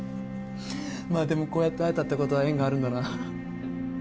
まあでもこうやって会えたって事は縁があるんだな。